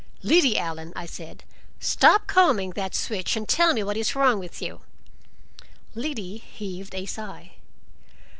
"Liddy Allen," I said, "stop combing that switch and tell me what is wrong with you." Liddy heaved a sigh.